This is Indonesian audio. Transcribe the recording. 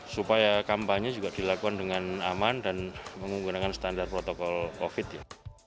supaya kampanye juga dilakukan dengan aman dan menggunakan standar protokol covid ya